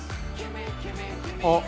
あっ。